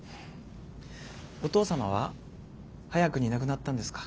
お父様は早くに亡くなったんですか？